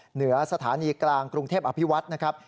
เหนือสถานีกลางกรุงเทพอภิวัฒน์นะครับ